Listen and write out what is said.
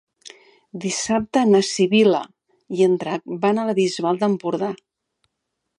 Dissabte na Sibil·la i en Drac van a la Bisbal d'Empordà.